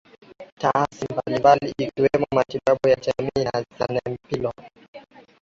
Taasi mbambali ikiwemo Matibabu ya jamii na Zanempilo